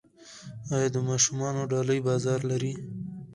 آیا د ماشومانو ډالۍ بازار لري؟